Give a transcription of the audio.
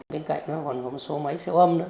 bên cạnh nó còn có một số máy siêu âm nữa